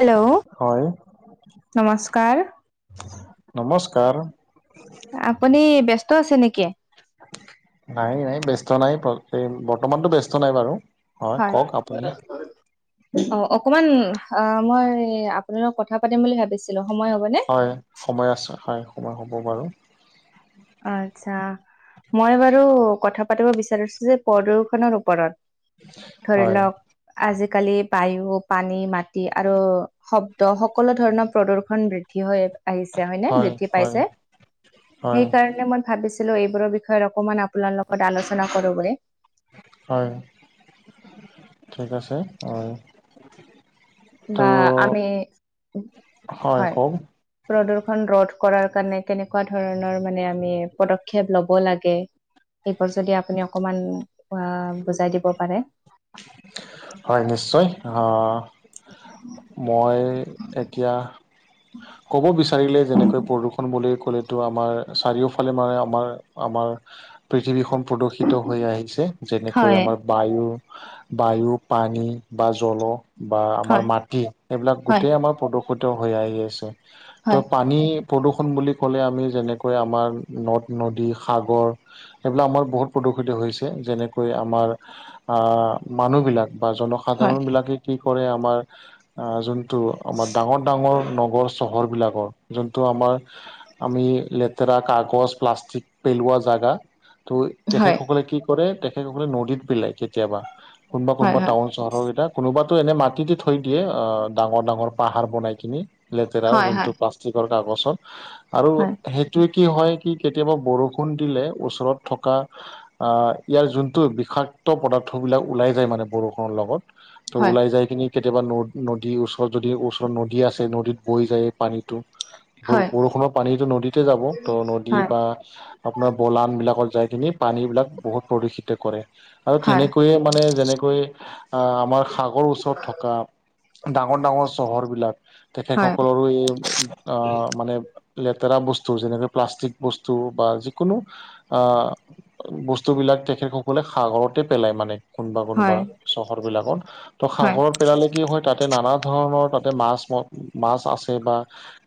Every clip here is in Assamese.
হেল্ল' হয় নমস্কাৰ। নমস্কাৰ। আপুনি ব্যস্ত আছে নেকি? নাই, নাই, ব্যস্ত নাই। এই বৰ্তমানটো ব্যস্ত নাই বাৰু। হয়। কওক আপুনি অ', অকমান আহ মই আপোনাল লগত কথা পাতিম বুলি ভাবিছিলো, সময় হ'বনে? হয়, সময় আছে। হয়, সময় হ'ব বাৰু। আচ্ছা, মই বাৰু কথা পাতিব বিচাৰিছো যে প্ৰদূষনৰ ওপৰত। ধৰি হয় লওক, আজিকালি বায়ু, পানী, মাট আৰু শব্দ, সকলো ধৰণৰ প্ৰদূৰ্শন বৃদ্ধি হয় আহিছে হয় নে বৃদ্ধি পাইছে। হয় সেইকাৰণে মই ভাবিছিলো এইবোৰৰ বিষয়ে অকমান আপোনাৰ লগত আলোচনা কৰোঁ বুলি। হয়, ঠিক আছে হয়। বা ত' আমি, হয়। প্ৰদৰ্ষন ৰধ কৰাৰ কাৰণে কেনেকুৱা ধৰণৰ মানে আমি পদক্ষেপ লব লাগে। এইবোৰ যদি আপুনি অকমান বুজাই দিব পাৰে। হয় নিশ্চয়, আ মই এতিয়া ক'ব বিচাৰিলে যেনেকৈ প্ৰদূষণ বুলি ক'লে টো আমাৰ চাৰিওফালে মানে আমাৰ আমাৰ পৃথিৱীখন প্ৰদূষিত হৈ আহিছে। যেনেকৈ হয় আমাৰ বায়ু। বায়ু পানী বা জল বা আমাৰ হয় মাটি এইবিলাক হয় গোটেই আমাৰ প্ৰদু সুত হৈ আহি আছে ত' পা হয় পানী প্ৰদূষণ বুলি ক'লে আমি যেনেকৈ আমাৰ নদ নদী সাগৰ সেইবিলাক আমাৰ বহুত প্ৰদূষিত হৈছে যেনেকৈ আমাৰ মানুহবিলাক বা হয় জনসাধাৰণবিলাকে কি কৰে আমাৰ যোন টো আমাৰ ডাঙৰ ডাঙৰ নগৰ চহৰবিলাকৰ যোনটো আমাৰ আমি লেতেৰা কাগজ, প্লাষ্টিক পেলোৱা জাগা ত' হয় তেখেতসকলে কি কৰে তেখেতসকলে নদীত পিলাই, কেতিয়াবা কোনোবা হয় কোনোবা হয় টাউন চহৰৰকেইটা, কোনোবাতো এনে মাটিতে থৈ দিয়ে অ' ডাঙৰ ডাঙৰ পাহাৰ বনাই কিনি। লেতেৰাৰ হয় হয় হয় যোনটো প্লাষ্টিকৰ কাগজত আৰু হেই টোৱে কি হয় কি কেতিয়াবা বৰষুণ দিলে ওচৰত থকা আ, ইয়াৰ যোনটো বিষাক্ত পদাৰ থবিলাক ওলাই যায় মানে বৰষুণৰ লগত, ত' ওলাই যাই কিনি কেতিয়াবা নদ নদী ওচৰত যদি ওচৰত নদী আছে নদীত বৈ যায় পানীত। হয় বৰষুণৰ পানীটো নদীতে যাব ত' নদী বা আপোনাৰ বলানবিলাকত যাই কিনি পানীবিলাক বহুত প্ৰদূষিত কৰে আৰু হয় হয় হয় হয় তেনে মানে যেনেকৈ আ, আমাৰ সাগৰ ওচৰত থকা ডাঙৰ ডাঙৰ চহৰবিলাক তেখেতসকলৰো এই আ, মানে লেতেৰা বস্তু যেনেকৈ প্লাষ্টিক বস্তু বা যিকোনো আ, বস্তুবিলাক তেখেতসকলে সাগৰতে পেলায় মানে। কোনবা হয় হয় হয় কোনবা চহৰবিলাকত, ত' সাগৰত পেলালে কি হয় তাতে নানা ধৰণৰ তাতে মাছ মাছ আছে বা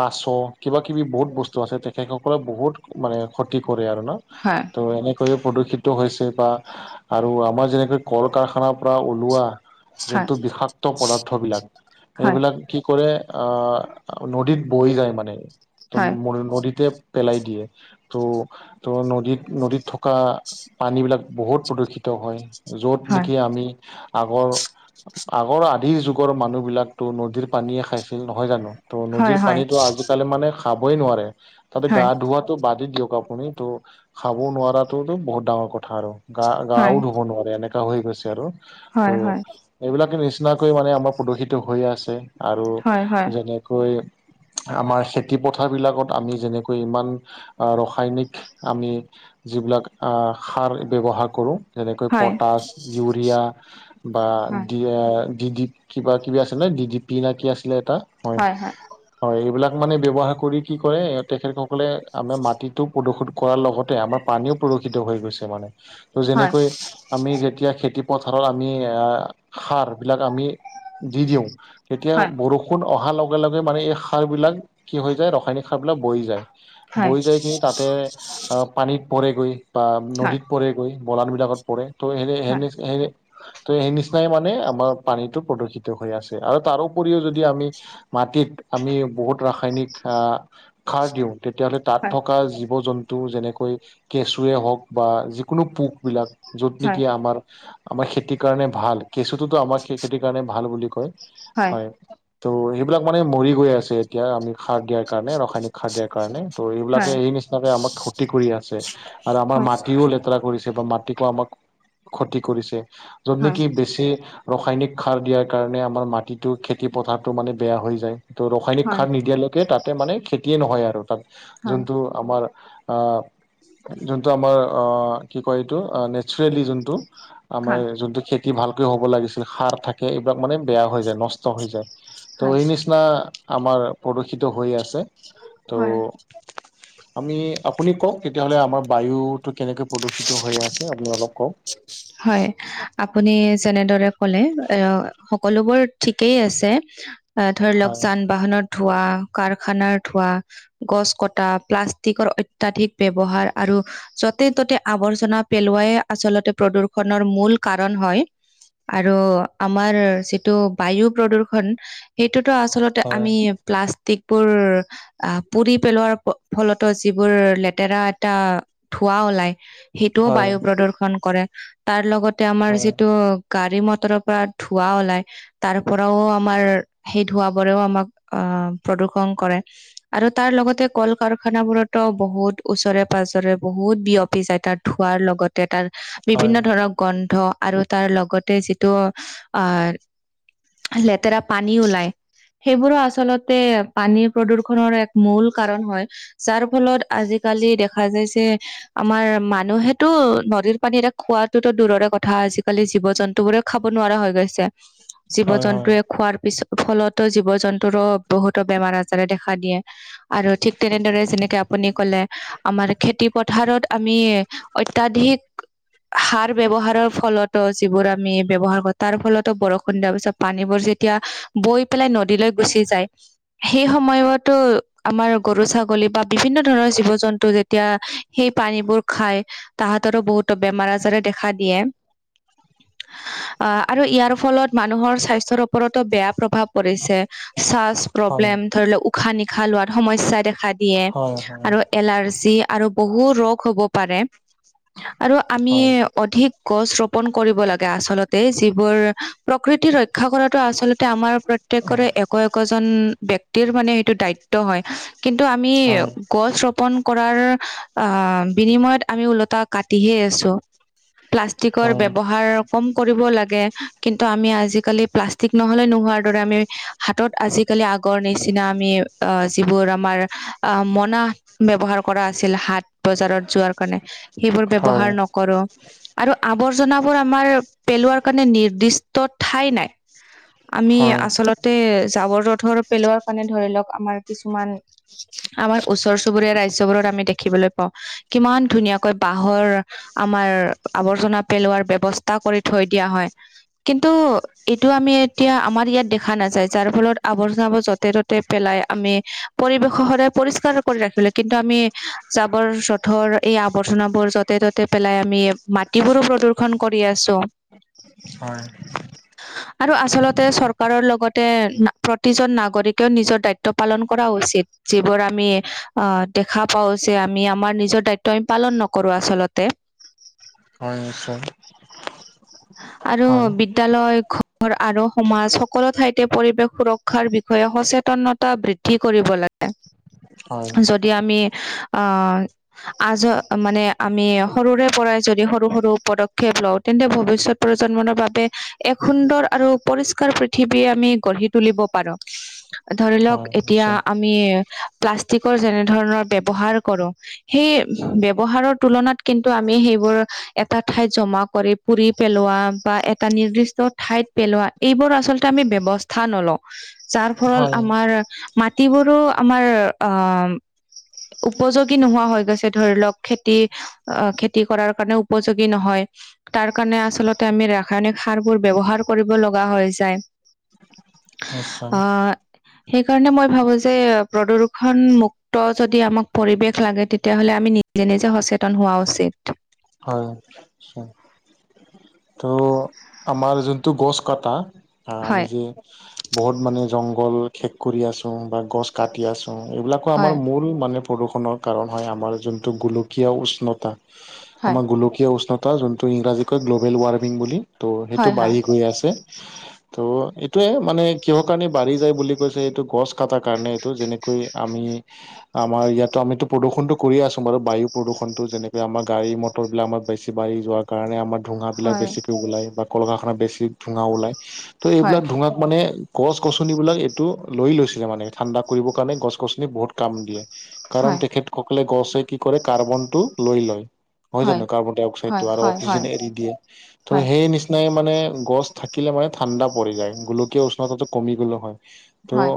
কাছ কিবা কিবি বহুত বস্তু আছে, তেখেতসকলে বহুত মানে ক্ষতি কৰে আৰু ন'? হয়। ত' এনেকৈয়ে প্ৰদূষিত হৈছে বা আৰু আমাৰ যেনেকৈ কল কাৰখানাৰপৰা ওলোৱা যোনটো বিষাক্ত পদাৰ্থবিলাক, হয় হয় এইবিলাক কি কৰে আ, নদীত বৈ যায় মানে, ত' নদীতে পেলাই দিয়ে, ত' ত' নদীত নদীত থকা পানীবিলাক বহুত প্ৰদূষিত হয়, য'ত হয় হয় হয় নেকি আমি আগৰ আগৰ আধিৰ যুগৰ মানুহবিলাকতো নদীৰ পানীয়ে খাইছে। নহয় জানো, ত' নদীৰ হয় হয় হয় হয় হয় হয় হয় পানীটো আজিকালি মানে খাবই নোৱাৰে। তাতে গা ধোৱাটো বাদে দিয়ক আপুনি ত' খাব নোৱাৰটোতো বহুত ডাঙৰ কথা আৰু। গা গাও ধুব নোৱাৰে এনেকা হৈ গৈছে আৰু ত' এইবিলাকে নিচিনাকৈ মানে আমাৰ প্ৰদূষিত হৈয়ে আছে আৰু হয় হয় হয় হয় হয় হয় যেনেকৈ আমাৰ খেতি পথাৰবিলাকত আমি যেনেকৈ ইমান ৰসায়নিক আমি যিবিলাক আ, সাৰ ব্যৱহাৰ কৰো যেনেকৈ হয় পটাছ, ইউৰিয়া বা ডি ডি কিবা কিবি আছিলে ডি ডি পি নে কি আছিলে এটা মই হয়, এইবিলাক মানে ব্যৱহাৰ কৰি কি কৰে তেখেতসকলে আমাৰ মাটিটো প্ৰদূসুত কৰাৰ লগতে, আমাৰ পানীও প্ৰদূষিত হৈ গৈছে মানে। ত' যেনেকৈ আমি যেতিয়া খেতি পথাৰত, আমি এ সাৰ বিলাক আমি দি দিওঁ। তেতিয়া বৰষুণ অহাৰ লগে লগে মানে এই সাৰবিলাক কি হৈ যায়, ৰাসায়নিক সাৰবিলাক বহি যায়। বৈ যাই গৈ, তাতে অ', পানীত পৰেগৈ বা নদীত হয় পৰেগৈ। বলান বিলাকত পৰে, ত সেনেনে ত সেই নিচিনাই মানে আমাৰ পানীটো প্ৰদূষিত হৈ আছে, আৰু তাৰপৰিও যদি আমি মাটিত আমি বহুত ৰাসায়নিক আহ সাৰ দিওঁ, তেতিয়াহ'লে তাত থকা জীৱ-জন্তু টো যেনেকৈ কেঁচুৱে হওঁক বা যিকোনো পোকবিলাক য'ত নেকি আমাৰ, আমাৰ খেতিৰ কাৰণে ভাল, কেঁচুটোতো আমাৰ খেতিৰ কাৰণে ভাল বুলি কয়। হয়, ত' সেইবিলাক মানে মৰি গৈ আছে এতিয়া, আমি সাৰ দিয়াৰ কাৰণে ৰাসায়নিক সাৰ দিয়াৰ কাৰণে, ত' হয় এইবিলাকে হয় এই নিচিনাকে আমাক ক্ষতি কৰি আছে। আৰু আমাৰ হয় মাটিও লেতেৰা কৰিছে বা মাট আমাক ক্ষতি কৰিছে, য'ত হয় নেকি বেছি ৰাসায়নিক সাৰ দিয়াৰ কাৰণে আমাৰ মাটিটো খেতি পথাৰটো মানে বেয়া হৈ যায়। ত ৰাসায়নিক হয় সাৰ নিদিয়ালৈকে তাতে মানে খেতিয়ে নহয় আৰু তাত হয় যোনটো আমাৰ অ', যোনটো আমাৰ অ', কি কয় এইটো নেচাৰেলি যোনটো, আমাৰ হয় যোন ভালকে হ'ব লাগিছিল। সাৰ থাকে, এইবিলাক মানে বেয়া হৈ যায় নষ্ট। হৈ যায়। ত' হয় এই নিচিনা আমাৰ প্ৰদূষিত হৈ আছে। ত' হয় আমি আপুনি কওঁক, তেতিয়াহ'লে আমাৰ বায়ুটো কেনেকে প্ৰদূষিত হৈ আছে। আপুনি অলপ কওঁক। হয়, আপুনি যেনেদৰে ক'লে এ সকলোবোৰ ঠিকেই আছে। ধৰি লওঁক হয় যান-বাহনৰ ধোৱাঁ, কাৰখানাৰ ধোৱাঁ। গছ কটা, প্লাষ্টিকৰ অত্যাধিক ব্যৱহাৰ আৰু- য'তে ত'তে আৱৰ্জনা পেলোৱাই আচলতে প্ৰদূ্ষনৰ মূল কাৰণ হয়। আৰু আমাৰ যিটো বায়ু প্ৰদূ্ষন, সেইটোতো আচলতে- হয় আমি প্লাষ্টিক বোৰ, আহ্ পুৰি পেলোৱাৰ ফলতো যিবোৰ লেতেৰা এটা ধোৱা ওলাই। সেইটোও হয় বায়ু প্ৰদূ্ষন কৰে, তাৰ লগতে আমাৰ হয় যিটো গাড়ী মটৰৰ পৰা ধোঁৱা ওলাই। তাৰ পৰাও আমাৰ, সেই ধোঁৱা বোৰেও আমাক আহ প্ৰদূ্ষন কৰে। আৰু তাৰ লগতে কল কাৰখানাবোৰতো বহুত ওচৰে-পাঁজৰে বহুত বিয়পি যায় তাত। ধোঁৱাৰ লগতে তাৰ হয় বিভিন্ন ধৰক, গন্ধ আৰু তাৰ লগতে যিটো আহ্, লেতেৰা পানী ওলাই। সেইবোৰো আচলতে পানীৰ প্ৰদূৰ্ষনৰ এক মূল কাৰণ হয়। যাৰ ফলত আজিকালি দেখা যাই যে, আমাৰ মানুহেতো নদীৰ। মানে এতিয়া খোৱাটোতো দূৰৰে কথা, আজিকালি জীৱ-জন্তু বোৰে খাব নোৱাৰা হৈ গৈছে। হয় হয় জীৱ-জন্তুে খোৱাৰ পিছত। ফলতো জীৱ-জন্তুৰো বহুতো বেমাৰ-আজাৰে দেখা দিয়ে। আৰু ঠিক তেনেদৰে, যেনেকে আপুনি ক'লে। আমাৰ খেতি পথাৰত আমি অত্যাধিক - সাৰ ব্যৱহাৰৰ ফলতো যিবোৰ আমি ব্যৱহাৰ কৰো তাৰ ফলতো বৰষুণ দিয়া পিছত। পানীবোৰ যেতিয়া বৈ পেলাই নদীলৈ গুচি যায়। সেই সময়ত আমাৰ গৰু-ছাগলী বা বিভিন্ন ধৰণৰ জীৱ-জন্তু যেতিয়া সেই পানীবোৰ খাই। তাহাঁতৰো বহুতো বেমাৰ-আজাৰে দেখা দিয়ে। অ', আৰু ইয়াৰ ফলত মানুহৰ স্বাস্থ্যৰ ওপৰতো বেয়া প্ৰভাৱ পৰিছে। শ্বাস প্ৰব্লেম, ধৰি লওঁক উশাহ-নিশাহ লোৱাত সমস্যা দেখা দিয়ে হয় হয় আৰু। এলাৰজি আৰু বহু ৰোগ হ'ব পাৰে। আৰু আমি হয় অধিক গছ ৰোপন কৰিব লাগে আচলতে, যিবোৰ- প্ৰকৃতি ৰক্ষা কৰাতো আচলতে আমাৰ হয় প্ৰত্যেকৰে একো একোজন- ব্যক্তিৰ মানে সেইটো দায়িত্ব হয়, কিন্তু আমি- হয় গছ ৰোপন কৰাৰ আহ, বিনিময়ত আমি ওলোটা কাটিহে আছোঁ। প্লাষ্টিকৰ হয় ব্যৱহাৰ কম কৰিব লাগে কিন্তু আমি আজিকালি- প্লাষ্টিক নহ'লে নোহোৱাৰ দৰে আমি হাতত আজিকালি আগৰ নিচিনা আমি আ্হ যিবোৰ আমাৰ অ মনা ব্যৱহাৰ কৰা আছিল, হাত বজাৰত যোৱাৰ কাৰণে সেইবোৰ ব্যৱহাৰ হয় নকৰোঁ। আৰু আৱৰ্জনাবোৰ আমাৰ পেলোৱাৰ কাৰণে নিৰ্দিষ্ট ঠাই নাই। আমি আচলতে জাবৰ-জোঁথৰ পেলোৱাৰ কাৰণে ধৰি লওঁক, আমাৰ কিছুমান আমাৰ ওচৰ চুবুৰীয়া ৰাজ্যবোৰত আমি দেখিবলৈ পাওঁ, কিমান ধুনীয়াকৈ বাহ বাহৰ আমাৰ আৱৰ্জনা পেলোৱাৰ ব্যৱস্থা কৰি থৈ দিয়া হয়। কিন্তু এইটো আমি এতিয়া আমাৰ ইয়াত দেখা নাযায়, যাৰ ফলত আৱৰ্জনাবোৰ য'তে ত' পেলাই, আমি পৰিৱেশ সদায় পৰিষ্কাৰ কৰি ৰাখিব লাগে কিন্তু আমি জাবৰ-জোঁথৰ এই আৱৰ্জনাবোৰ বোৰ য'তে ত'তে পেলাই আমি মাটিবোৰো প্ৰদূ্ষন কৰি আছোঁ। হয়, আৰু আচলতে চৰকাৰৰ লগতে প্ৰতিজন নাগৰিকেও নিজৰ দায়িত্ব পালন কৰা উচিত। যিবোৰ আমি অ'দেখা পাওঁ যে আমি আমাৰ নিজৰ দায়িত্ব আমি পালন নকৰোঁ। নকৰোঁ আচলতে। হয় নিশ্চয়। আৰু বি নিশ্চয় বিদ্যালয় ঘৰ আৰু সমাজ সকলো ঠাইতে পৰিৱেশ সুৰক্ষাৰ বিষয়ে সচেতনতা বৃদ্ধি বৃদ্ধি কৰিব লাগে, হয় হয় যদি আমি আ্হ আজ মানে আমি সৰুৰে পৰাই যদি সৰু সৰু পদক্ষেপ লওঁ, তেন্তে ভৱিষ্যতে, প্ৰজন্মনৰ বাবে এক সুন্দৰ আৰু পৰিষ্কাৰ পৃথিৱী আমি গঢ়ি তুলিব পাৰোঁ। ধৰি লওঁক, হয় এতিয়া নিশ্চয় আমি প্লাষ্টিকৰ যেনে ধৰণৰ ব্যৱহাৰ কৰোঁ। সেই ব্যৱহাৰৰ তুলনাত কিন্তু আমি সেইবোৰ এটা ঠাইত জমা কৰি পুৰি। পেলোৱা বা এটা নিৰ্দিষ্ট ঠাইত পেলোৱা, এইবোৰ আচলতে আমি ব্যৱস্থা নলওঁ। যাৰ ফলত হয় আমাৰ মাটিবোৰো। আমাৰ অ', উপযোগী নোহোৱা হৈ গৈছে, ধৰি লওক খেতি অ', খেতি কৰাৰ কাৰণে উপযোগী নহয়। তাৰ কাৰণে আচলতে আমি ৰাসায়নিক সাৰ বোৰ ব ব্যৱহাৰ কৰিব লগা হয় যায়। নিশ্চয় অ', সেইকাৰণে মই ভাবোঁ যে, প্ৰদূৰ্ষন মুুক্ত যদি আমাক পৰিৱেশ লাগে, তেতিয়াহ'লে আমি নিজ নিজে সচেতন হোৱা উচিত। হয়। ত' আমাৰ যোনটো গছ কটা, আমি হয় যে বহুত মানে জংঘল শেষ কৰি আছোঁ বা গছ কাটি আছোঁ এইবিলাকো আমাৰ হয় মূল মানে। প্ৰদূষণৰ কাৰণ হয়, আমাৰ যোনটো গোলকীয় উষ্ণতা হয় আমাৰ গোলকীয় উষ্ণতা যোনটো ইংৰাজীকৈ গ্ল'বেল ৱাৰ্মিং বুলি। ত' সেইটো হয় বাঢ়ি গৈ আছে। [inaudible] ত' এইটোয়ে মানে কিহৰ কাৰণে বাঢ়ি যায় বুলি কৈছে, এইটো গছ কটাৰ কাৰণে এইটো যেনেকৈ আমি আমাৰ ইয়াতো আমিতো প্ৰদূষণটো কৰিয়ে আছো বাৰু বায়ু প্ৰদূষণতো যেনেকে আমাৰ গাড়ী ম বটৰবিলাক আমাৰ বেছি বাঢ়ি যোৱাৰ কাৰণে আমাৰ ঠোঙাবিলাক হয় বেছিকৈ ওলায় বা কলকাৰখানাত বেছি ধোঁৱা ওলায়। ত' হয় এইবিলাক ধোঁৱাক মানে- গছ-গছনিবিলাক এইটো লৈ লৈছিলে মানে, ঠাণ্ডা কৰিবৰ কাৰণে গছ-গছনি বহুত কাম দিয়ে। হয় কাৰণ তেখেতসকলে গছে কি কৰে, কাৰ্বনটো লৈ লয়। হয় জানো, কাৰ্বন-ডাই-অক্সাইড টো হয় আৰু হয় অক্সিজেন এৰি দিয়ে। ত' হয় সেই নিনা নাই মানে, গছ থাকিলে মানে ঠাণ্ডা পৰি যায় গ। উষ্ণতাটো কমি গ'লে হয় ত' হয় হয়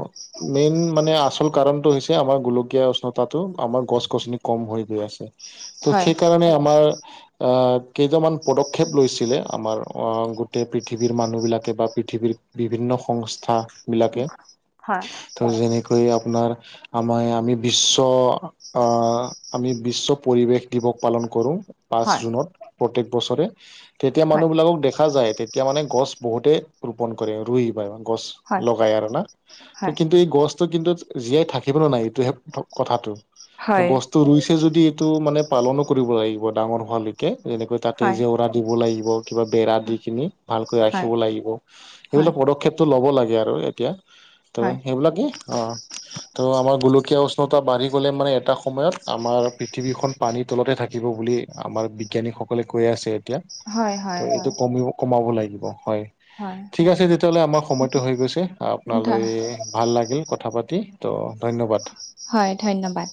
মেইন মানে আচল কাৰণটো হৈছে আমাৰ গোলকীয়া উষ্ণতাটো, আমাৰ গছ গছনি কম হৈ গৈ আছে। ত' হয় সেইকাৰণে আমাৰ আ, কেইজনমান পদক্ষেপ লৈছিলে আমাৰ আ, গোটেই পৃথিৱীৰ মানুহবিলাকে বা পৃথিৱীৰ বিভিন্ন সংস্থাবিলাকে ত' যেনেকৈ আপোনাৰ আমাৰ আমি বিশ্ব আ, আমি বিশ্ব পৰিৱেশ দিৱস পালন কৰোঁ পাঁচ হয় হয় জুত প্ৰত্যেক বছৰে, তেতিয়া মানুহবিাকক দেখা যায় তেতিয়া মানে গছ বহুতে ৰোপন কৰে, ৰুই বা গছ হয় লগাই আৰু না, হয় ত' এই গছ ত' কিন্তু জীয়াই থাকিব ন' নাই এইটোহে কথাটো ত' হয় হয় গছ ত' ৰুইছে যদি এইটো মানে পালনো কৰিব লাগিব ডাঙৰ হোৱালৈকে যেনেকৈ তাতে হয় জেউৰাৰ দিব লাগিব, কিবা বেৰা দি কিনি ভালকৈ হয় ৰাখিব লাগিব, হয় এইবিলাক পদক্ষেপ টো ল'ব লাগে আৰু এতিয়া ত' হয় সেইবিলাকেই অ'। ত' আমাৰ গোলকীয়া উষ্ণতা বাঢ়ি গ'লে মানে এটা সময়ত আমাৰ পৃথিৱীখন পানীত তলতে থাকিব বুলি আমাৰ বিজ্ঞানীসকলে কৈ আছে এতিয়া, হয় ত' হয় এইটো হয় কমিও কমাব লাগিব হয়। হয় ঠিক হয় আছে তেতিয়াহ'লে আমাৰ সময়টো হৈ গৈছে, ধ আপোনালৈ ভাল লাগিল। কথা পাতি ত' ধন্যবাদ। হয় ধন্যবাদ।